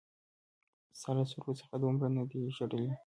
ستا له سترګو څخه دومره نه دي ژړلي